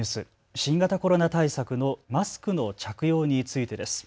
新型コロナ対策のマスクの着用についてです。